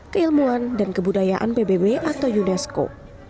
keilmuan dan kebudayaan pbb atau unesco